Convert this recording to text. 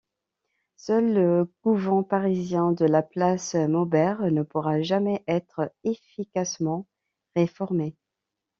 Seul le couvent parisien de la place Maubert ne pourra jamais être efficacement réformé.